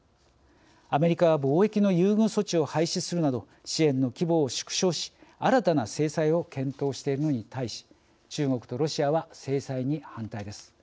アメリカは貿易の優遇措置を廃止するなど支援の規模を縮小し新たな制裁を検討しているのに対し中国とロシアは制裁に反対です。